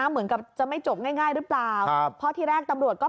เหมือนกับจะไม่จบง่ายหรือเปล่า